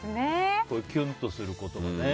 キュンとすることがね。